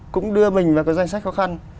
cũng đưa mình vào cái danh sách khó khăn